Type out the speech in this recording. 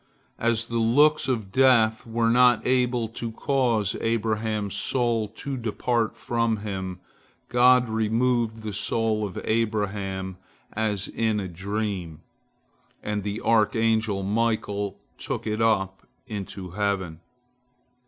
As the looks of Death were not able to cause Abraham's soul to depart from him, God removed the soul of Abraham as in a dream, and the archangel Michael took it up into heaven.